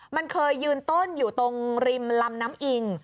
มันเคยยืนต้นอยู่ตรงริมลำน้ำอิง